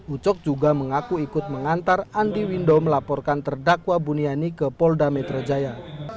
ucok juga mengaku ikut mengantar andi window melaporkan terdakwa buniani ke polda metro jaya